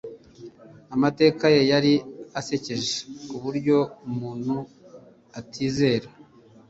Amateka ye yari asekeje kuburyo umuntu atizera.